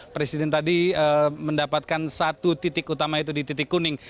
presiden tadi mendapatkan satu titik utama itu di titik kuning